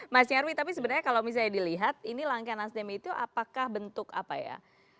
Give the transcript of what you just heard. mas nyarwi tapi sebenarnya kalau misalnya dilihat ini langkah nasdem itu apakah bentuk apa ya